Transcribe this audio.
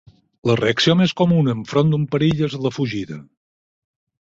La reacció més comuna enfront d'un perill és la fugida.